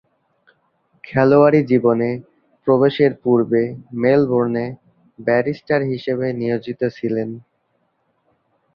খেলোয়াড়ী জীবনে প্রবেশের পূর্বে মেলবোর্নে ব্যারিস্টার হিসেবে নিয়োজিত ছিলেন।